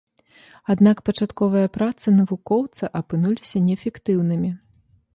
Аднак пачатковыя працы навукоўца апынуліся неэфектыўнымі.